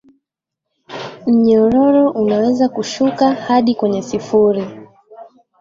mnyororo unaweza kushuka hadi kwenye sifuri